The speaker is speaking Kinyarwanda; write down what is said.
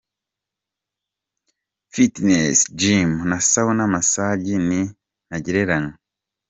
Fitness Gym na Sauna massage ni ntagereranywa.